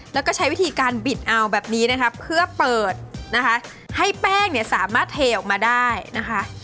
แล้วก็ใช้วิธีการบิดเอาแบบนี้นะคะเพื่อเปิดนะคะให้แป้งเนี่ยสามารถเทออกมาได้นะคะ